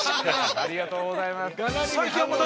◆ありがとうございます。